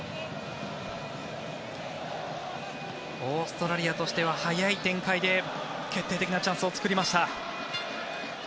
オーストラリアとしては速い展開で決定的なチャンスを作りました。